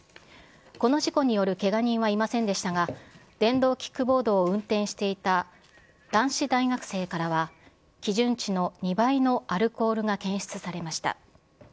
この事故によるけが人はいませんでしたが、電動キックボードを運転していた男子大学生からは、基準値の２倍のアルコールが検出されました。